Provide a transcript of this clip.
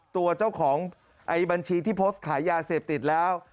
ตัวเจ้าของไอ้บัญชีที่โพสต์ขายยาเสพติดแล้ว